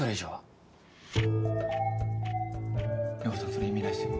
それ意味ないですよ。